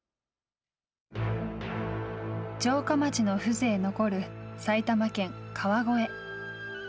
城下町の風情残る埼玉県・川越。